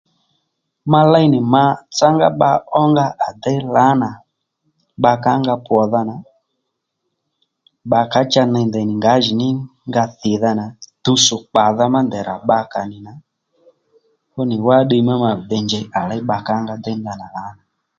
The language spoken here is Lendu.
Ma léy nì ma tsá ngá dda ónga à déy lǎnà pbakà ó nga pwòdha nà pbakà cha ney ndèy nì ngǎjìní nga thì dha nà tuwtsò kpàdha má ndèyrà pbakà nì nà fú nì wá ddiy ma ma vi dey njèy à léy pbakà nga dey ndanà lǎní nì